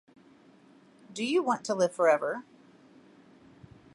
Do you want to live forever?